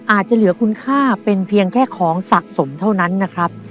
อาจจะเหลือคุณค่าเป็นเพียงแค่ของสะสมเท่านั้นนะครับ